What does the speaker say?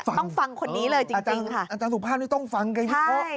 ต้องฟังคนนี้เลยจริงค่ะอาจารย์สุภาพไม่ต้องฟังกัน